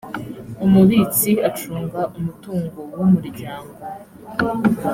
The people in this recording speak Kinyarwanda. umubitsi acunga umutungo w’umuryango